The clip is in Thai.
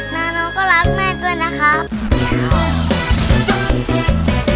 นานูก็รักแม่ล่ะตัวนะครับ